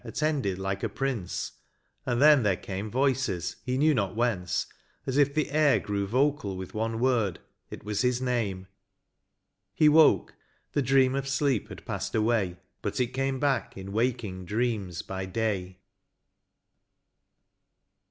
Attended like a prince ; and then there came Voices, he knew not whence — as if the air Grew vocal with one word — it was his name : He woke — the dream of sleep had passed away, But it came back in waking dreams by day.